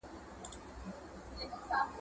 هغه د خپلو دښمنانو لپاره یو هیبتناک نوم و.